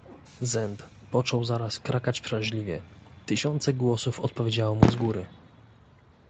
"Zend począł zaraz krakać przeraźliwie; tysiące głosów odpowiedziało mu z góry."